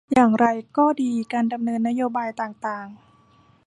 อย่างไรก็ดีการดำเนินนโยบายต่างต่าง